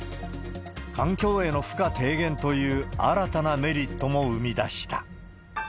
環境への負荷低減という、新たなメリットも生み出した。